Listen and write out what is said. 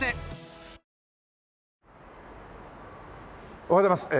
おはようございます。